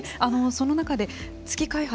その中で月開発